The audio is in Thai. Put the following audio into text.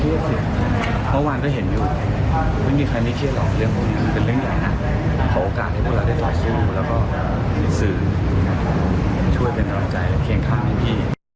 เคียงคำให้พี่